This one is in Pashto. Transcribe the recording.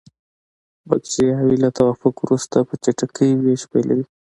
بکټریاوې له توافق وروسته په چټکۍ ویش پیلوي.